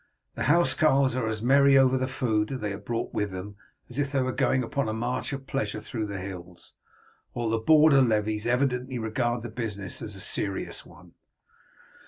"The housecarls are as merry over the food they have brought with them as if they were going upon a march of pleasure through the hills, while the border levies evidently regard the business as a serious one."